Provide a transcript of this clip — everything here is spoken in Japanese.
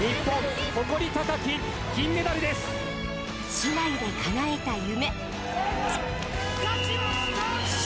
姉妹でかなえた夢。